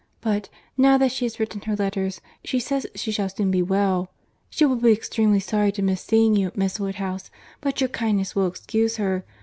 But, now that she has written her letters, she says she shall soon be well. She will be extremely sorry to miss seeing you, Miss Woodhouse, but your kindness will excuse her.